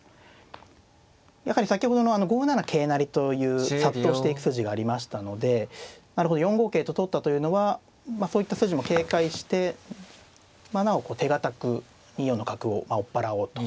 やはり先ほどの５七桂成という殺到していく筋がありましたのでなるほど４五桂と取ったというのはそういった筋も警戒してなおこう手堅く２四の角を追っ払おうと。